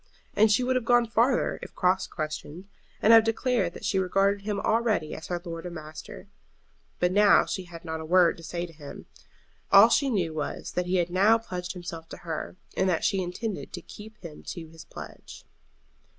And she would have gone farther if cross questioned, and have declared that she regarded him already as her lord and master. But now she had not a word to say to him. All she knew was that he had now pledged himself to her, and that she intended to keep him to his pledge.